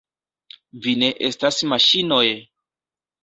Vi ne estas maŝinoj!